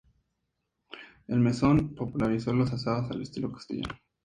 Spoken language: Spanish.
El mesón popularizó los asados al estilo castellano.